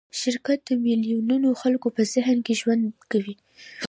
شرکت د میلیونونو خلکو په ذهن کې ژوند کوي.